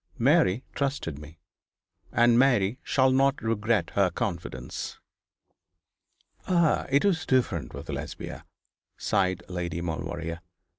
Mary trusted me; and Mary shall not regret her confidence.' 'Ah! it was different with Lesbia,' sighed Lady Maulevrier.